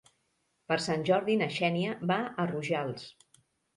Per Sant Jordi na Xènia va a Rojals.